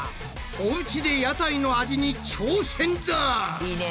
おうちで屋台の味に挑戦だ！いいね。